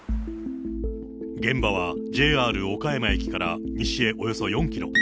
現場はＪＲ岡山駅から西へおよそ４キロ。